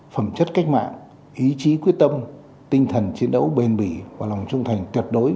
phẩm chất cách mạng ý chí quyết tâm tinh thần chiến đấu bền bỉ và lòng trung thành tuyệt đối